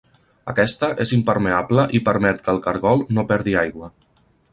Aquesta és impermeable i permet que el caragol no perdi aigua.